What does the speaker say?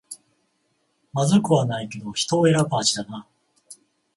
まずくはないけど人を選ぶ味だな